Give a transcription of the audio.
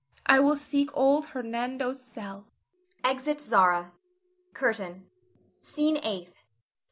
I will seek old Hernando's cell. [Exit Zara. CURTAIN. SCENE EIGHTH.